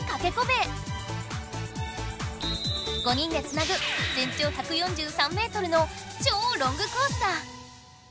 ５人でつなぐ全長１４３ｍの超ロングコースだ！